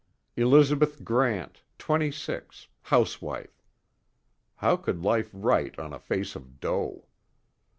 Elizabeth Grant, twenty six, housewife. How could life write on a face of dough?